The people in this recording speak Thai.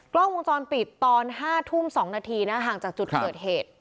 กล้องวงจรปิดตอน๕ทุ่ม๒นาทีนะห่างจากจุดเกิดเหตุ